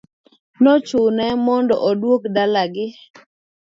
Nochune mondo odug dala gi.